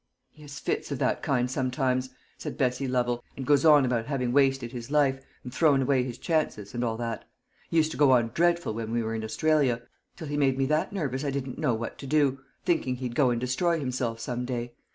"He has fits of that kind sometimes," said Bessie Lovel, "and goes on about having wasted his life, and thrown away his chances, and all that. He used to go on dreadful when we were in Australia, till he made me that nervous I didn't know what to do, thinking he'd go and destroy himself some day.